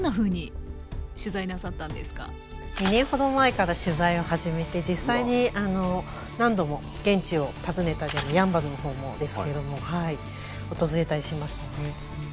２年ほど前から取材を始めて実際に何度も現地を訪ねたりやんばるの方もですけども訪れたりしましたね。